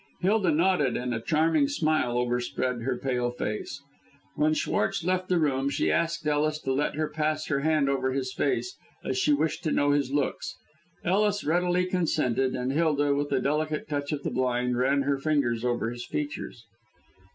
Hilda nodded and a charming smile overspread her pale face. When Schwartz left the room she asked Ellis to let her pass her hand over his face, as she wished to know his looks. Ellis readily consented, and Hilda, with the delicate touch of the blind, ran her fingers over his features.